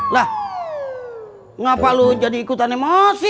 lah ngapa lo jadi ikutan emosi